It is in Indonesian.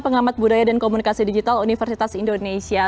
pengamat budaya dan komunikasi digital universitas indonesia